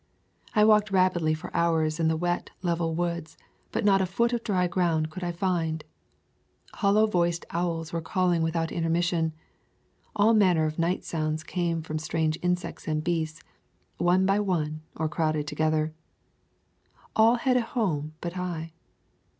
I walked rapidly for hours in the wet, level woods, but not a foot of dry ground could I find. Hollow voiced owls were calling with out intermission. All manner of night sounds came from strange insects and beasts, one by one, or crowded together. All had a home but I.